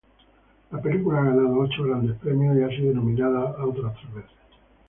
La película ha ganado ocho grandes premios y ha sido nominado otras tres veces.